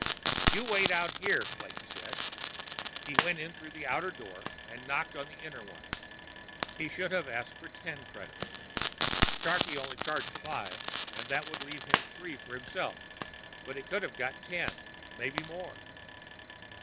"You wait out here," Clayton said. He went in through the outer door and knocked on the inner one. He should have asked for ten credits. Sharkie only charged five, and that would leave him three for himself. But he could have got ten—maybe more.